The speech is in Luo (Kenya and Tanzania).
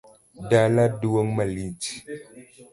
Dala duong’ malich